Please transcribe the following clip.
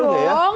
oh enggak dong